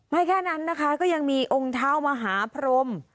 แค่นั้นนะคะก็ยังมีองค์เท้ามหาพรม